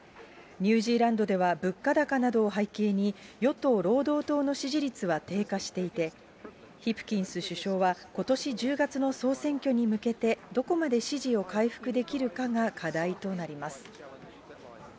ニュージーランドでは物価高などを背景に、与党・労働党の支持率は低下していて、ヒプキンス首相は、ことし１０月の総選挙に向けて、どこまで支持を回復できるかが課題となります。